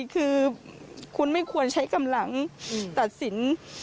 คือคุณไม่ควรใช้กำลังตัดสิน